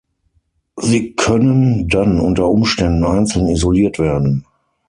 Sie können dann unter Umständen einzeln isoliert werden.